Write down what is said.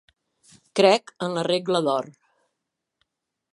Crec en la Regla d'Or.